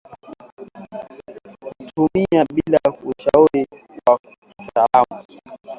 hutumika bila ushauri wa kitaalamu